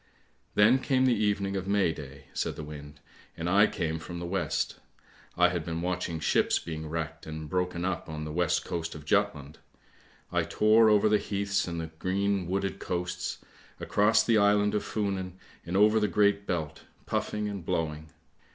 "Then came the evening of May day!" said the wind. " I came from the west; I had been watching ships being wrecked and broken up on the west coast of Jutland. I tore over the heaths and the green wooded coasts, across the island of Funen and over the Great Belt puffing and blowing.